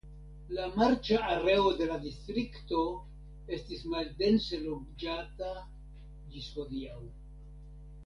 La marĉa areo de la distrikto estis maldense loĝata ĝis hodiaŭ.